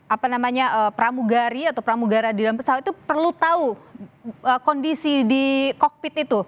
apa namanya pramugari atau pramugara di dalam pesawat itu perlu tahu kondisi di kokpit itu